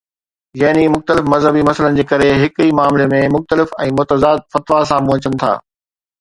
يعني مختلف مذهبي مسئلن جي ڪري هڪ ئي معاملي ۾ مختلف ۽ متضاد فتوا سامهون اچن ٿا